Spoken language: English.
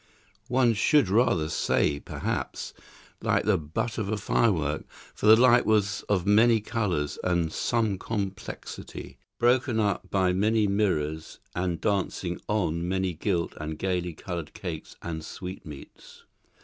One should rather say, perhaps, like the butt of a firework, for the light was of many colours and some complexity, broken up by many mirrors and dancing on many gilt and gaily coloured cakes and sweetmeats.